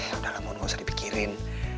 udah lah mon gak usah dipikirin